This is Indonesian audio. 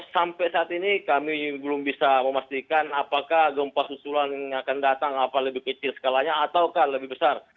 sampai saat ini kami belum bisa memastikan apakah gempa susulan yang akan datang apa lebih kecil skalanya ataukah lebih besar